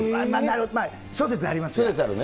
諸説ありますね。